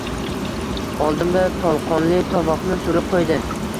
Oldimga tolqonli tovoqni surib qo‘ydi.